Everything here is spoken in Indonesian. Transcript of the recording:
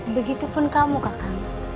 begitupun kamu kakak